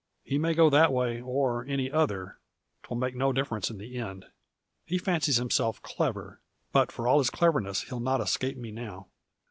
He may go that way, or any other, 'twill make no difference in the end. He fancies himself clever, but for all his cleverness he'll not escape me now."